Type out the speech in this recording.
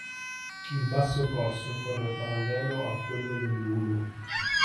Il basso corso corre parallelo a quello dell'Ulu.